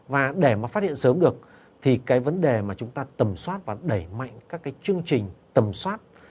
và để phát hiện sớm được vấn đề tầm soát và đẩy mạnh các chương trình tầm soát